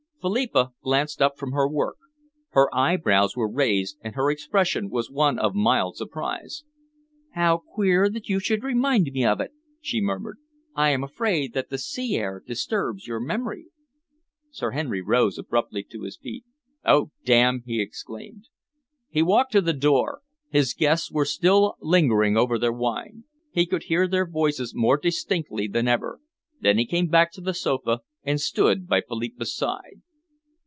Philippa glanced up from her work. Her eyebrows were raised, and her expression was one of mild surprise. "How queer that you should remind me of it!" she murmured. "I am afraid that the sea air disturbs your memory." Sir Henry rose abruptly to his feet. "Oh, damn!" he exclaimed. He walked to the door. His guests were still lingering over their wine. He could hear their voices more distinctly than ever. Then he came back to the sofa and stood by Philippa's side.